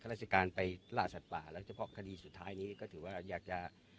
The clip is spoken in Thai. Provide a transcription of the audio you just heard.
ราชการไปล่าสัตว์ป่าแล้วเฉพาะคดีสุดท้ายนี้ก็ถือว่าอยากจะ